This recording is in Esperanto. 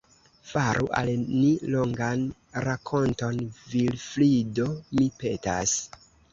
Faru al ni longan rakonton, Vilfrido, mi petas.